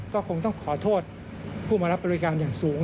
ก็คงต้องขอโทษผู้มารับบริการอย่างสูง